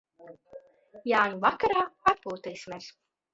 Jāņu vakarā atpūtīsimies.